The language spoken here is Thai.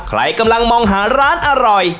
ใครกำลังมองหาร้านอร่อย